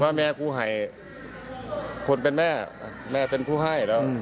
แม่กูให้คนเป็นแม่แม่เป็นผู้ให้แล้ว